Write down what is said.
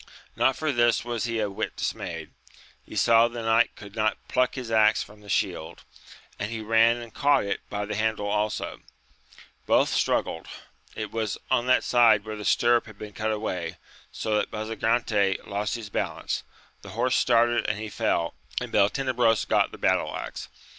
Not for this was he a whit dismayed ; he saw the giant could not pluck his axe from the shield, and he ran and caught it by the handle also ; both struggled ; it was on that side where the stirrup had been cut away, so that Basa gante lost his balance, the horse started and he fell, and Beltenebros got the battle axe.